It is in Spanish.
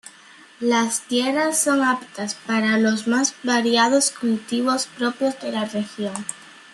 Las tierras son aptas, para los más variados cultivos propios de la región.